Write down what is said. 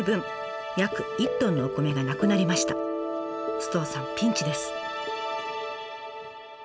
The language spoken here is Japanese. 首藤さんピンチです。